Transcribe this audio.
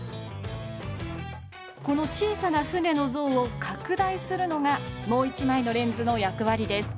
この小さな船の像を拡大するのがもう一枚のレンズの役割です